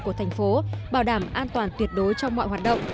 của thành phố bảo đảm an toàn tuyệt đối trong mọi hoạt động